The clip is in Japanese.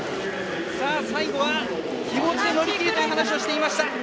最後は、気持ちで乗り切るという話をしていました。